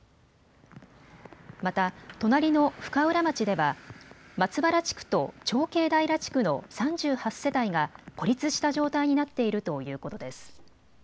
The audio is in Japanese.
また隣の深浦町では、松原地区と長慶平地区の３８世帯が孤立した状態になっているということです。